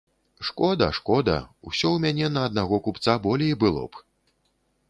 Шкода, шкода, усё ў мяне на аднаго купца болей было б!